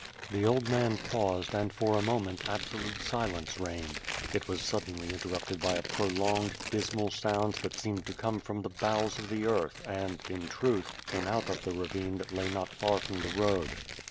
The old man paused and for a moment absolute silence reigned. It was suddenly interrupted by a prolonged, dismal sound that seemed to come from the bowels of the earth and, in truth, came out of the ravine that lay not far from the road.